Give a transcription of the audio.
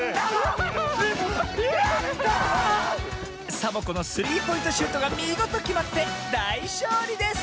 サボ子のスリーポイントシュートがみごときまってだいしょうりです！